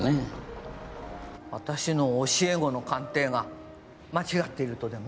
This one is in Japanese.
私の教え子の鑑定が間違っているとでも？